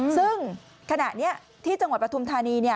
ซึ่งขณะนี้ที่จังหวัดปฐุมธานี